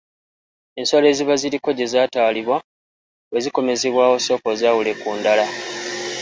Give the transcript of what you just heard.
Ensolo eziba ziriko gye zaatwalibwa bwe zikomezebwawo sooka ozaawule ku ndala.